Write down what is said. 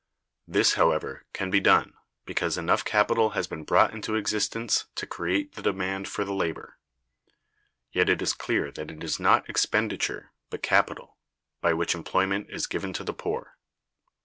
This, however, can be done, because enough capital has been brought into existence to create the demand for the labor. Yet it is clear that it is not expenditure, but capital, by which employment is given to the poor.